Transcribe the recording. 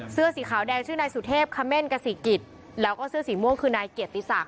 เสื้อสีขาวแดงชื่อนายสุเทพคเม่นกษีกิจแล้วก็เสื้อสีม่วงคือนายเกียรติศักดิ